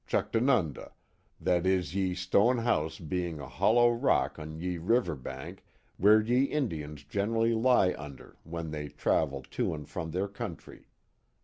Juchtanunda (?) that is ye stone house being a hoUbw rock on ye liver bank where ye Indians generally lie under when they ttavill to and from their country.